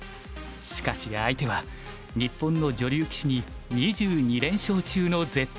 しかし相手は日本の女流棋士に２２連勝中の絶対女王。